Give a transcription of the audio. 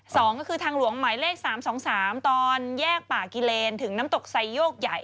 สองก็คือทางหลวงหมายเลขสามสองสามตอนแยกป่ากิเลนถึงน้ำตกไซโยกใหญ่